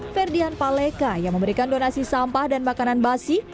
ferdian paleka yang memberikan donasi sampah dan makanan basi